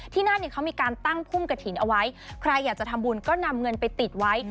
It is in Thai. นั่นเนี่ยเขามีการตั้งพุ่มกระถิ่นเอาไว้ใครอยากจะทำบุญก็นำเงินไปติดไว้